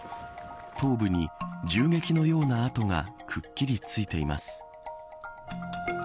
頭部に銃撃のような痕がくっきりついています。